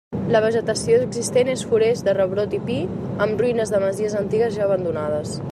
La vegetació existent és forest de rebrot i pi, amb ruïnes de masies antigues ja abandonades.